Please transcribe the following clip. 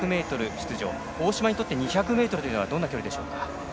大島にとって２００ｍはどんな距離でしょうか。